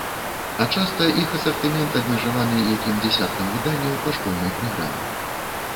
А часта іх асартымент абмежаваны якім дзясяткам выданняў па школьнай праграме.